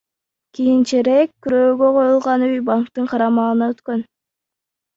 Кийинчерээк күрөөгө коюлган үй банктын карамагына өткөн.